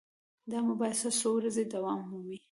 دا مباحثه څو ورځې دوام مومي.